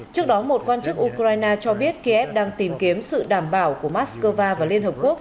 trước đó một quan chức ukraine cho biết kiev đang tìm kiếm sự đảm bảo của mắc cơ va và liên hợp quốc